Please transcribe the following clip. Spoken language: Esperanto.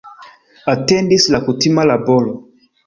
Atendis la kutima laboro.